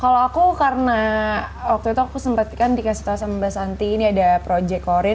kalau aku karena waktu itu aku sempet kan dikasih tau sama mbak santi ini ada projek corin